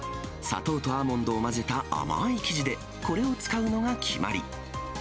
砂糖とアーモンドを混ぜた甘い生地で、これを使うのが決まり。